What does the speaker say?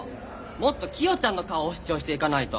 もっとキヨちゃんの顔を主張していかないと！